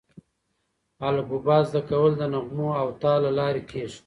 الفبې زده کول د نغمو او تال له لارې کېږي.